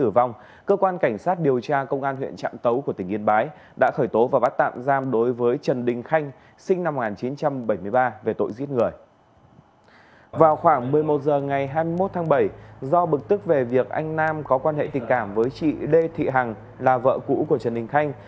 vào khoảng một mươi một h ngày hai mươi một tháng bảy do bực tức về việc anh nam có quan hệ tình cảm với chị lê thị hằng là vợ cũ của trần đình khanh